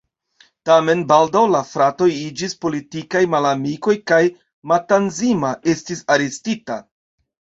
Tamen baldaŭ la fratoj iĝis politikaj malamikoj kaj Matanzima estis arestita.